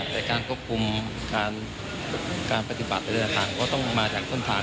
ในการควบคุมการปฏิบัติในเส้นทางก็ต้องมาจากท่อนทาง